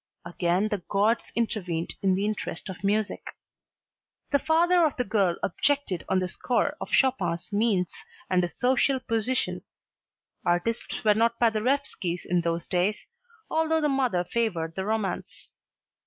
Again the gods intervened in the interest of music. The father of the girl objected on the score of Chopin's means and his social position artists were not Paderewskis in those days although the mother favored the romance.